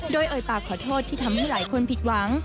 โดยเอ่ยปากขอโทษที่ทำให้หลายคนผิดหวัง